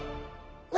何？